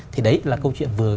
thì đấy là câu chuyện vừa